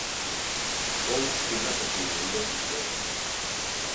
Fou una reconeguda pintora.